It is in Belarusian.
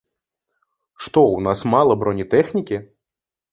Што, у нас мала бронетэхнікі?!